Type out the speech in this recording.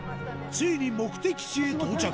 ついに目的地へ到着。